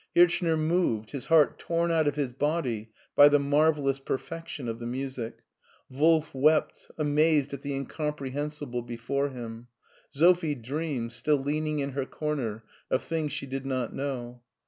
Hirchner moved, his heart torn out of his body by the marvellous perfection of the music ; Wolf wept, amazed at the in comprehensible before him ; Sophie dreamed, still lean ing in her comer, of things she did not know.